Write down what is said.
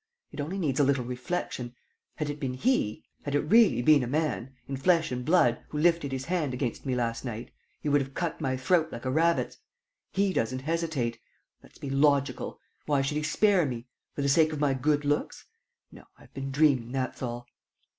It only needs a little reflection. Had it been 'he,' had it really been a man, in flesh and blood, who lifted his hand against me last night, he would have cut my throat like a rabbit's. 'He' doesn't hesitate. Let's be logical. Why should he spare me? For the sake of my good looks? No, I have been dreaming, that's all.